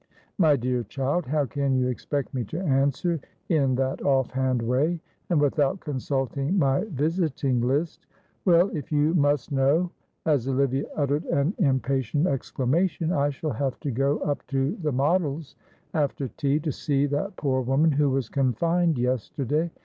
"My dear child, how can you expect me to answer in that off hand way, and without consulting my visiting list? Well, if you must know," as Olivia uttered an impatient exclamation, "I shall have to go up to the Models after tea, to see that poor woman who was confined yesterday.